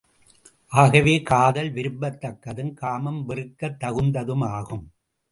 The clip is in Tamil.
ஆகவே, காதல் விரும்பத் தக்கதும், காமம் வெறுக்கத் தகுந்ததுமாகும்.